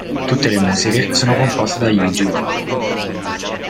Tutte le musiche sono composte da Yūji Ōno.